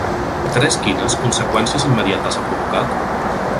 Tres-Quines conseqüències immediates ha provocat?